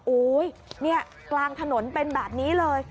อุ๊ยนี่กลางถนนเป็นแบบนี้เลย